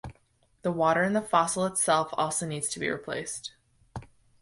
The water in the fossil itself also needs to be replaced.